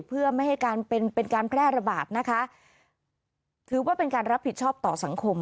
เพื่อไม่ให้การเป็นเป็นการแพร่ระบาดนะคะถือว่าเป็นการรับผิดชอบต่อสังคม